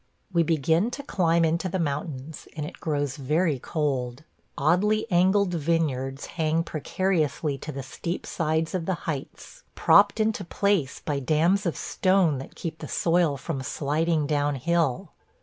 We begin to climb into the mountains, and it grows very cold. Oddly angled vineyards hang precariously to the steep sides of the heights, propped into place by dams of stone that keep the soil from sliding down hill.